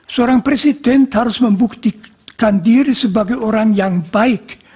seorang presiden harus membuktikan diri sebagai orang yang baik